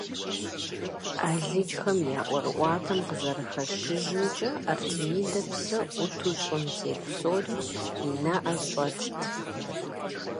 Алыджхэм я ӀуэрыӀуатэм къызэрыхэщыжымкӀэ, Артемидэ псэ Ӏуту щӀым тет псори и нэӀэ щӀэтт.